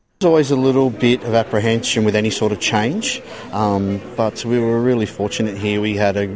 tidak ada perkembangan tapi kami sangat beruntung